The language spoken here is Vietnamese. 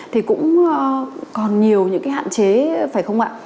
thì cũng còn nhiều những cái hạn chế phải không ạ